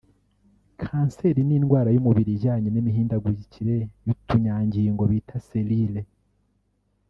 Kanseri ni indwara y’umubiri ijyanye n’imihindagurikire y’utunyangingo bita cellules